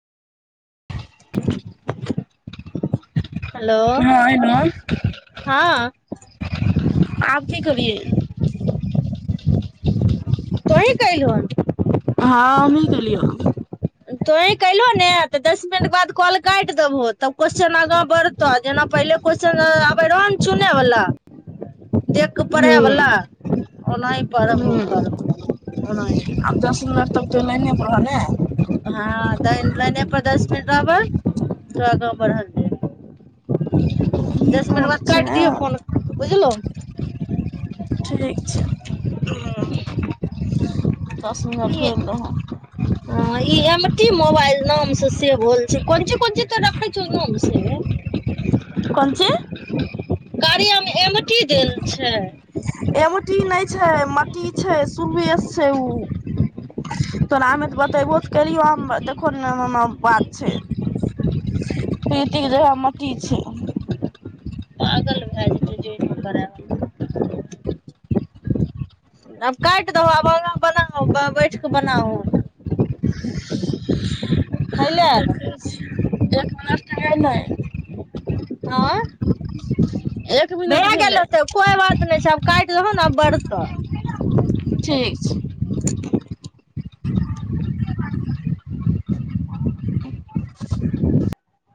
[inaudible] hello [inaudible] हँ आब की करियै तों ही कैलोहन हँ हमी कैलियौ तोहीं कैलहो ने तऽ दस मिनट के बाद कॉल काटि देबहो तब क्वेश्चन आगा बढ़त जेना पहिले क्वेश्चनआबै रह न सुनेवला हूँ ओनाही पढ़बो हूँ करबो ओनाही आब दस मिनट तक लाईने पर रह ने हँ त लाईने पर दस मिनट रहबै थोड़ा आँगा बढ़बियै ई दस मिनट कोन बाद छै काटि ने दियौ फोन बुझलो ठीक छै दस मिनट ई होइल रहौ ह ईऍम टी मोबाइल नाम से सेब होल छै कोन चीज कोन चीज तो रखै छहो नाम से कोन चीज कार्या मे एमटी देल छै एमटी नहि छै मटि छै सुभेश छै उ तोरामेऽ बतेबो त करियो आ देखो ने बात छै प्रीती के जगह मति छै पागल भए जेतय [inaudible] आब काटि दहो आब आगाँ बनाउ बैठ कऽ बनाहो ह [inaudible] देखै छी एक मिनट त नहि आंय एक मिनट भए गेल भेलै हेतऽय कोई बात नहि छै आब काटि लहो न अब बढ़तऽ ठीक छै ह [inaudible]